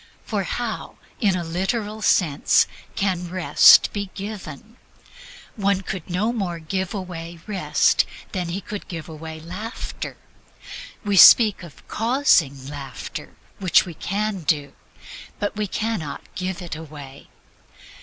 For how, in a literal sense, can Rest be given? One could no more give away Rest than he could give away Laughter. We speak of "causing" laughter, which we can do; but we can not give it away.